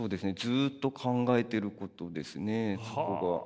ずっと考えていることですね。